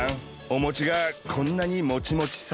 お餅がこんなにもちもちさ。